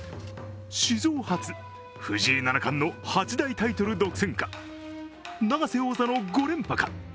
史上初、藤井七冠の８大タイトル独占か、永瀬王座の５連覇か。